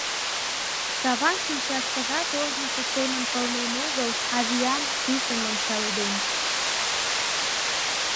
Саван шинчашкыжат ожнысо семын пылнен огыл, а виян, писын ончаледен.